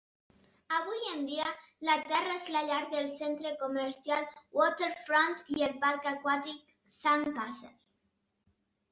Avui en dia la terra és la llar del centre comercial Waterfront i el parc aquàtic Sandcastle.